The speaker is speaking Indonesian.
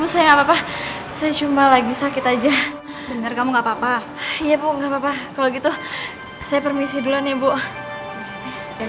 sampai jumpa di video selanjutnya